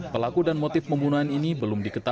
pelaku dan motif pembunuhan ini belum diketahui